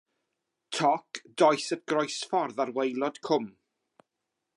Toc dois at groesffordd ar waelod cwm.